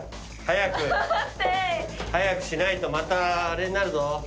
早くしないとまたあれになるぞ。